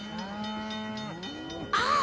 ああ！